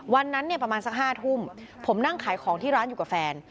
วันนั้นเนี่ยประมาณสัก๕ทุ่มผมนั่งขายของที่ร้านอยู่กับแฟน